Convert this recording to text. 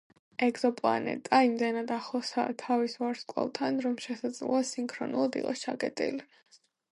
ეგზოპლანეტა იმდენად ახლოსაა თავის ვარსკვლავთან, რომ შესაძლოა სინქრონულად იყოს ჩაკეტილი.